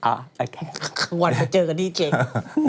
อ่าโอเควันเจอกันดีเจน